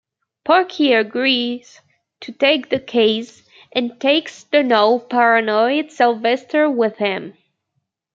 Porky agrees to take the case and takes the now-paranoid Sylvester with him.